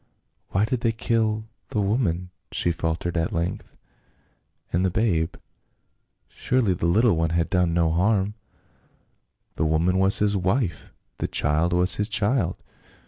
"Why did they kill — the woman?" she faltered at length ;" and — the babe ? Surely the little one had done no harm." "The woman was his wife. The child was his child.